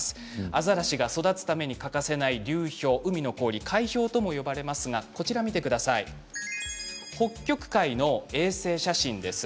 アザラシが育つために欠かせない流氷海の氷、海氷とも呼ばれますが北極海の衛星写真です。